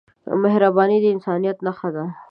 مهرباني د انسانیت نښه ده.